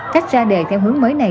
cách ra đề theo hướng mới này